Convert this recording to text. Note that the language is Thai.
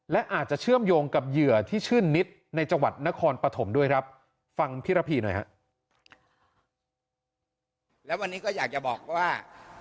และอาจจะเชื่อมโยงกับเหยื่อที่ชื่นนิษฐ์ในจังหวัดนครปฐมด้วยครับฟังพี่ระพีหน่อยแล้ววันนี้ก็อยากจะบอกว่า